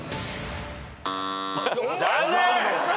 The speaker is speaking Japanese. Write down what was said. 残念！